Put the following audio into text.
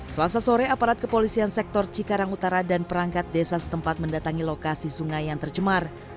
selasa sore aparat kepolisian sektor cikarang utara dan perangkat desa setempat mendatangi lokasi sungai yang tercemar